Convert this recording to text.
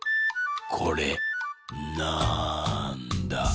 これなんだ？